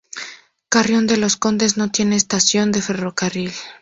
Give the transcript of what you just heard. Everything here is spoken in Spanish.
Carrión de los Condes no tiene estación de ferrocarril.